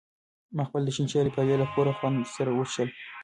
ما خپله د شین چای پیاله له پوره خوند سره وڅښله.